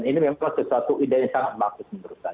ini memang sesuatu ide yang sangat bagus menurut saya